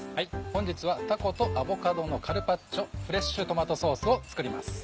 本日は「たことアボカドのカルパッチョフレッシュトマトソース」を作ります。